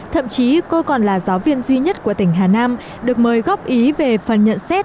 thậm chí cô còn là giáo viên duy nhất của tỉnh hà nam được mời góp ý về phần nhận xét